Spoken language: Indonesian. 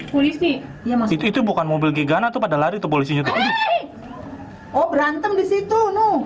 polisi ya masjid itu bukan mobil gigana tuh pada lari tuh polisi itu berantem di situ